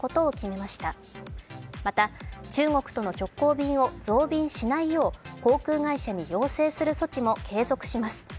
また、中国との直行便を増便しないよう、航空会社に要請する措置も継続します。